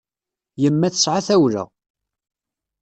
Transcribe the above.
Yemma tesɛa tawla.